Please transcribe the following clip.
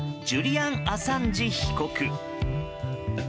ジュリアン・アサンジ被告。